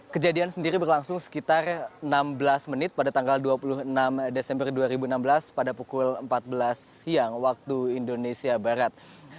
kejadian sendiri berlangsung sekitar enam belas menit pada tanggal dua puluh enam desember dua ribu enam belas pada pukul empat belas siang waktu indonesia barat